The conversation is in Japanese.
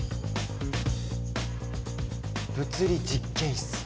物理実験室。